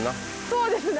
そうですね。